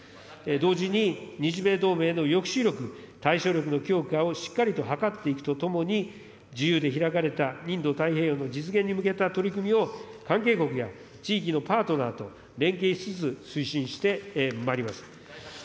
同時に、日米同盟の抑止力、対処力の強化をしっかりと図っていくとともに、自由で開かれたインド太平洋の実現に向けた取り組みを関係国や地域のパートナーと連携しつつ、推進してまいります。